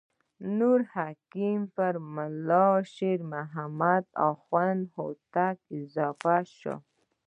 نور الحکم پر ملا شیر محمد اخوند هوتکی اضافه شو.